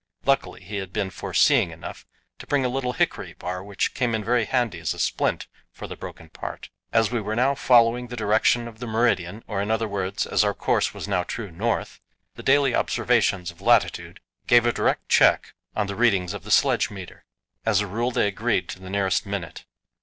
Luckily he had been foreseeing enough to bring a little hickory bar, which came in very handy as a splint for the broken part. As we were now following the direction of the meridian, or in other words, as our course was now true north, the daily observations of latitude gave a direct check on the readings of the sledge meter. As a rule they agreed to the nearest minute.